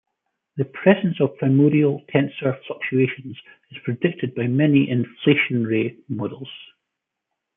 The presence of primordial tensor fluctuations is predicted by many inflationary models.